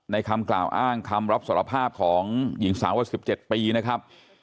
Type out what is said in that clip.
คำกล่าวอ้างคำรับสารภาพของหญิงสาวว่า๑๗ปีนะครับ